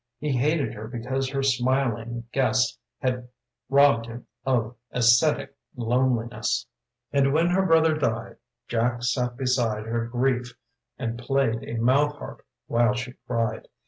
He hated her because her smiling guess Had robbed him of ascetic loneliness, And when her brother died, Jack sat beside Her grief and played a mouth harp while she cried.